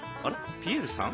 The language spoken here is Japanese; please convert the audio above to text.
ピエールさん